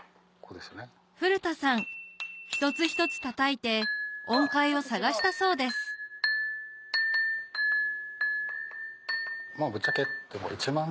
古田さん一つ一つたたいて音階を探したそうですぶっちゃけ。